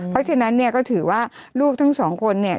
เพราะฉะนั้นเนี่ยก็ถือว่าลูกทั้งสองคนเนี่ย